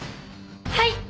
はい！